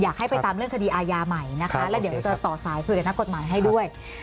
อยากให้ไปตามเรื่องคดีอาญาใหม่นะคะแล้วเดี๋ยวจะต่อสายคุยกับนักกฎหมายให้ด้วย